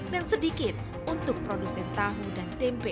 sedikit untuk produsen tahu dan tempe